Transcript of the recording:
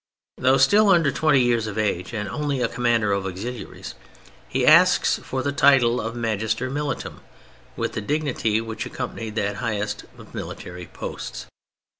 Though still under twenty years of age and only a commander of auxiliaries, he asks for the title of Magister Militum, with the dignity which accompanied that highest of military posts.